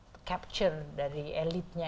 terangkat dari elitnya